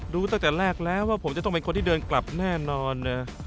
ตั้งแต่แรกแล้วว่าผมจะต้องเป็นคนที่เดินกลับแน่นอนนะ